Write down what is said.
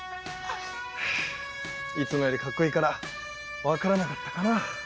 いつもよりかっこいいから分からなかったかな？